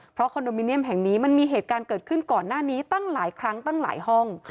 เพราะคอนโดมิเนียมแห่งนี้มันมีเหตุการณ์เกิดขึ้นก่อนหน้านี้ตั้งหลายครั้งตั้งหลายห้อง